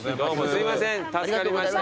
すいません助かりました。